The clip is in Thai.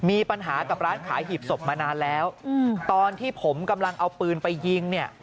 มีปัญหากับร้านขายหีบศพมานานแล้วตอนที่ผมกำลังเอาปืนไปยิงเนี่ย